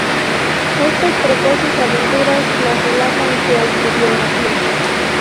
Estas precoces aventuras las relata en su autobiografía.